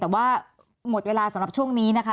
แต่ว่าหมดเวลาสำหรับช่วงนี้นะคะ